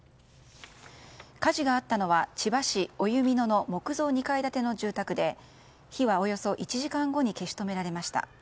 火事があったのは千葉市おゆみ野の木造２階建ての住宅で火はおよそ１時間後に消し止められました。